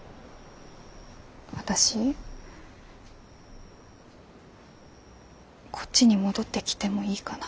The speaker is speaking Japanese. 私こっちに戻ってきてもいいかな？